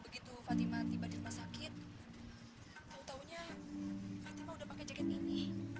begitu fatimah tiba di rumah sakit tahu taunya fatimah sudah pakai jaket ini